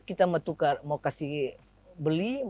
kita mau tukar mau kasih beli